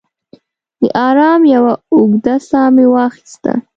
د ارام یوه اوږده ساه مې واخیسته.